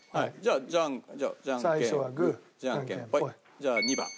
じゃあ２番。